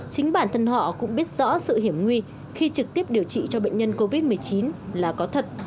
chính bản thân họ cũng biết rõ sự hiểm nguy khi trực tiếp điều trị cho bệnh nhân covid một mươi chín là có thật